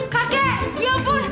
kakek ya ampun